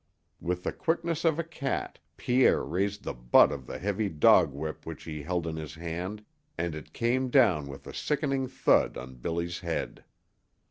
With the quickness of a cat Pierre raised the butt of the heavy dog whip which he held in his hand and it came down with a sickening thud on Billy's head.